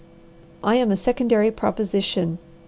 I am a secondary proposition.